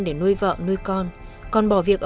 để nuôi vợ nuôi con còn bỏ việc ở